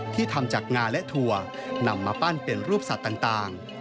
ทำจากงาและถั่วนำมาปั้นเป็นรูปสัตว์ต่าง